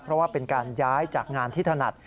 เพราะว่าเป็นการย้ายจากงานที่ถนัด